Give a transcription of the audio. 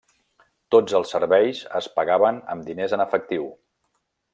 Tots els serveis es pagaven amb diners en efectiu.